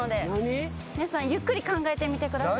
皆さんゆっくり考えてみてください。